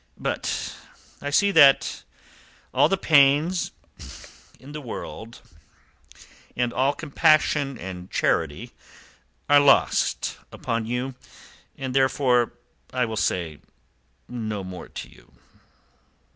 But I see that all the pains in the world, and all compassion and charity are lost upon you, and therefore I will say no more to you."